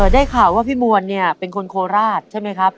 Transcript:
ได้ข่าวว่าพี่มวลเนี่ยเป็นคนโคราชใช่ไหมครับ